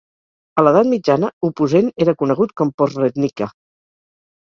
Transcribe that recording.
A l'edat mitjana, Opuzen era conegut com Posrednica.